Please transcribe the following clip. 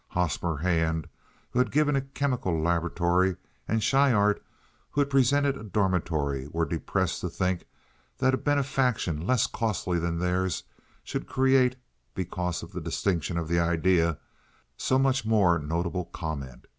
Hosmer Hand, who had given a chemical laboratory, and Schryhart, who had presented a dormitory, were depressed to think that a benefaction less costly than theirs should create, because of the distinction of the idea, so much more notable comment.